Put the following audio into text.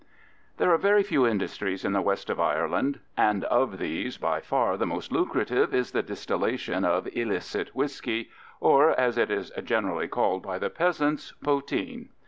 There are very few industries in the west of Ireland, and of these by far the most lucrative is the distillation of illicit whisky, or, as it is generally called by the peasants, poteen.